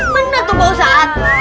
mana tuh bosat